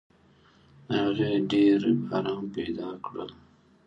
هغې ډېر رویباران پیدا کړل